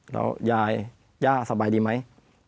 แล้วยายย่าสบายดีไหม